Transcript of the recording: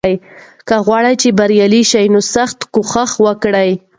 که غواړې بریالی شې، نو سخت کوښښ وکړه.